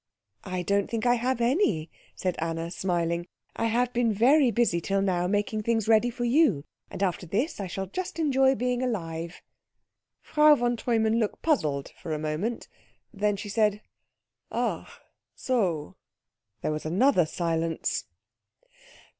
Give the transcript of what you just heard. "I don't think I have any," said Anna, smiling. "I have been very busy till now making things ready for you, and after this I shall just enjoy being alive." Frau von Treumann looked puzzled for a moment. Then she said "Ach so." There was another silence.